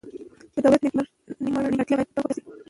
د دولت نیمګړتیاوې باید په ګوته شي.